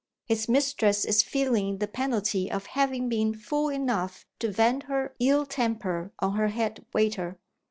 His mistress is feeling the penalty of having been fool enough to vent her ill temper on her head waiter.